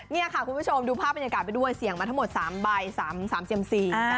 นี่ค่ะคุณผู้ชมดูภาพบรรยากาศไปด้วยเสี่ยงมาทั้งหมด๓ใบ๓เซียมซี